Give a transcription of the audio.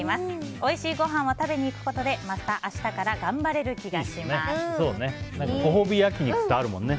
おいしいごはんを食べに行くことで、また明日からご褒美焼き肉ってあるもんね。